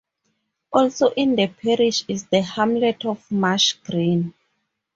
Also in the parish is the hamlet of Marsh Green.